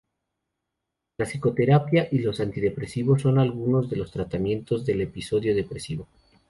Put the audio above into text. La psicoterapia y los antidepresivos son algunos de los tratamientos del episodio depresivo.